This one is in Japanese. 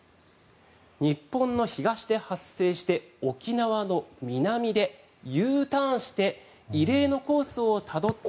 日本の東で発生して沖縄の南でＵターンして異例のコースをたどって。